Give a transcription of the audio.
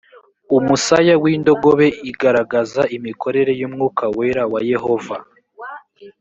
umusaya w’indogobe igaragaza imikorere y’umwuka wera wa yehova